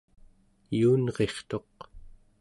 yuunrirtuq